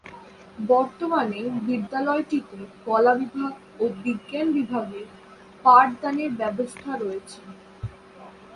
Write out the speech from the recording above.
বর্তমানে বিদ্যালয়টিতে কলা বিভাগ ও বিজ্ঞান বিভাগে পাঠ দানের ব্যবস্থা রয়েছে।